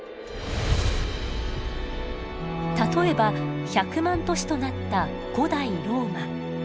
例えば１００万都市となった古代ローマ。